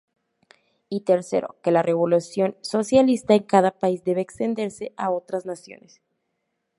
Y, tercero, que la revolución socialista en cada país debe extenderse a otras naciones.